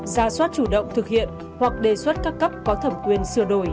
ra soát chủ động thực hiện hoặc đề xuất các cấp có thẩm quyền sửa đổi